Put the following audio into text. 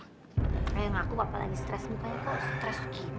kayaknya aku papa lagi stres mukanya kok stres begini